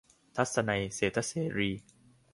ทัศนัย เศรษฐเสรี